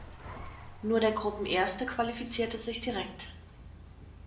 Nur der Gruppenerste qualifizierte sich direkt.